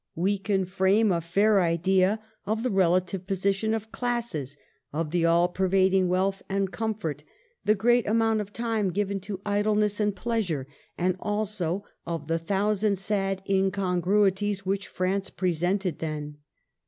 We can frame a fair idea of the relative position of classes, of the all pervading wealth and comfort, the great amount of time given to idleness and pleasure, and also of the thousand sad incongruities which France presented then.